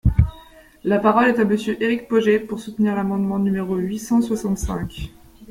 La parole est à Monsieur Éric Pauget, pour soutenir l’amendement numéro huit cent soixante-cinq.